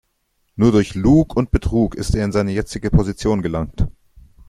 Nur durch Lug und Betrug ist er in seine jetzige Position gelangt.